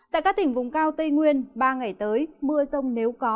tại các tỉnh vùng cao tây nguyên ba ngày tới mưa rông nếu có